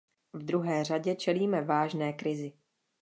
V druhé řadě čelíme vážné krizi.